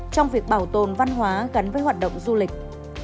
trong việc bảo tồn văn hóa gắn với hoạt động du lịch